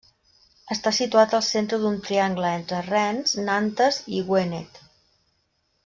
Està situat al centre d'un triangle entre Rennes, Nantes i Gwened.